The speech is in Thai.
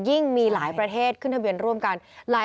มีหลายประเทศขึ้นทะเบียนร่วมกัน